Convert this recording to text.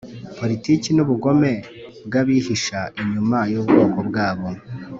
politiki n'ubugome bw'abihisha inyuma y'ubwoko bwabo,